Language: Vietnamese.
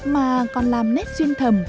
mà còn làm nét duyên thầm